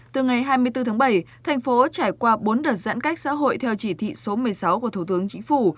từ ngày hai mươi bốn tháng bảy thành phố trải qua bốn đợt giãn cách xã hội theo chỉ thị số một mươi sáu của thủ tướng chính phủ